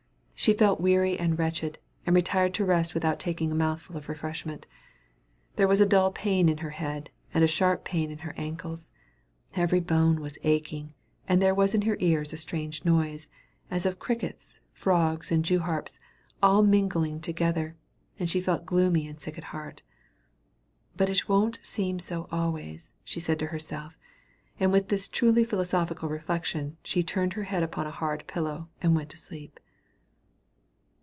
She felt weary and wretched, and retired to rest without taking a mouthful of refreshment. There was a dull pain in her head, and a sharp pain in her ankles; every bone was aching, and there was in her ears a strange noise, as of crickets, frogs, and jews harps, all mingling together, and she felt gloomy and sick at heart. "But it won't seem so always," said she to herself; and with this truly philosophical reflection, she turned her head upon a hard pillow, and went to sleep.